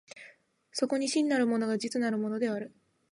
そこに真なるものが実なるものである。